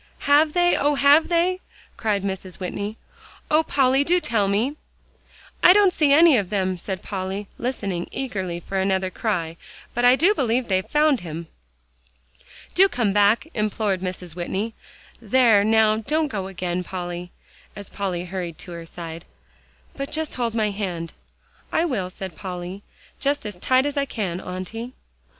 "Have they? oh! have they?" cried Mrs. Whitney. "Oh, Polly! do tell me." "I don't see any of them," said Polly, listening eagerly for another cry, "but I do believe they've found him." "Do come back," implored Mrs. Whitney; "there, now, don't go again, Polly," as Polly hurried to her side, "but just hold my hand." "I will," said Polly, "just as tight as I can, Auntie."